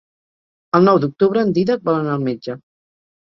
El nou d'octubre en Dídac vol anar al metge.